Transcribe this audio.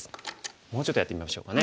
もうちょっとやってみましょうかね。